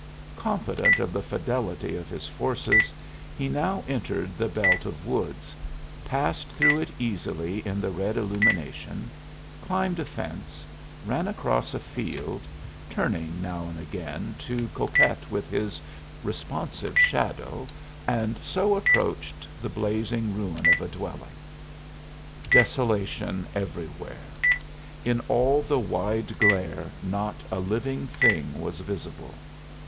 Confident of the fidelity of his forces, he now entered the belt of woods, passed through it easily in the red illumination, climbed a fence, ran across a field, turning now and again to coquet with his responsive shadow, and so approached the blazing ruin of a dwelling. Desolation everywhere! In all the wide glare not a living thing was visible.